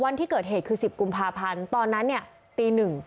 วันที่เกิดเหตุคือ๑๐กุมภาพันธ์ตอนนั้นเนี่ยตี๑